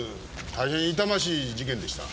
大変痛ましい事件でした。